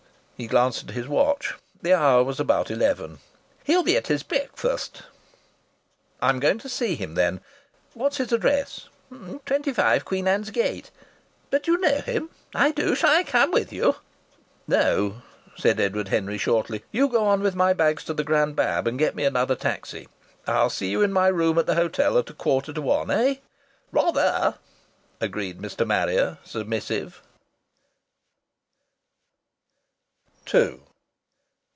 He glanced at his watch. The hour was about eleven. "He'll be at breakfast." "I'm going to see him, then. What's his address?" "25 Queen Anne's Gate. But do you knaow him? I do. Shall I cam with you?" "No," said Edward Henry, shortly. "You go on with my bags to the Grand Bab, and get me another taxi. I'll see you in my room at the hotel at a quarter to one. Eh?" "Rather!" agreed Mr. Marrier, submissive.